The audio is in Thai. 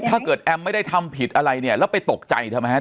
ถ้าเกิดแอมไม่ได้ทำผิดอะไรเนี่ยแล้วไปตกใจทำไมฮะ